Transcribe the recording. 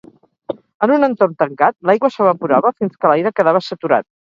En un entorn tancat, l'aigua s'evaporava fins que l'aire quedava saturat.